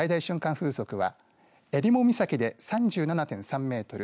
風速はえりも岬で３７．３メートル